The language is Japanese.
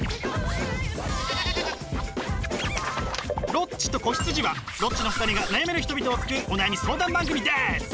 「ロッチと子羊」はロッチの２人が悩める人々を救うお悩み相談番組です！